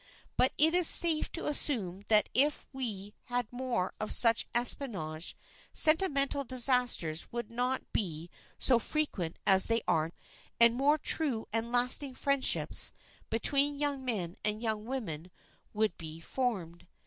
But it is safe to assume that if we had more of such espionage sentimental disasters would not be so frequent as they now are, and more true and lasting friendships between young men and young women would be formed.